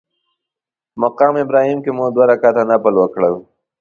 په مقام ابراهیم کې مو دوه رکعته نفل وکړل.